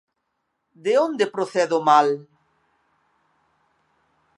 De onde procede o mal?